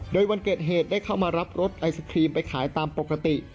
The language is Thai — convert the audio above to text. โดยวันเกิดเหตุได้เข้ามารับรถไอศครีมไปขายตามปกติ